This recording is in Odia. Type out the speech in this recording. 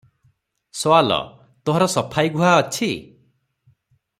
ସୱାଲ -ତୋହର ସଫାଇ ଗୁହା ଅଛି?